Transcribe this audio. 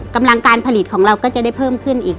กำลังการผลิตของเราก็จะได้เพิ่มขึ้นอีก